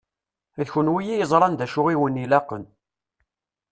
D kenwi i yeẓṛan d acu i wen-ilaqen.